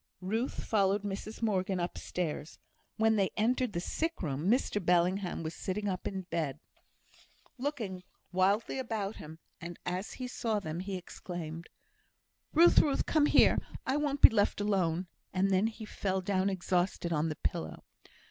Ruth followed Mrs Morgan upstairs. When they entered the sick room Mr Bellingham was sitting up in bed, looking wildly about him, and as he saw them, he exclaimed: "Ruth! Ruth! come here; I won't be left alone!" and then he fell down exhausted on the pillow.